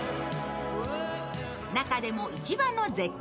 中でも一番の絶景